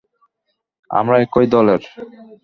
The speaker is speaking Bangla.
আমরা একই দলের।